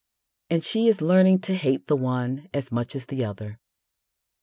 And she is learning to hate the one as much as the other.